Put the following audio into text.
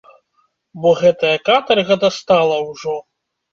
Бо гэтая катарга дастала ўжо!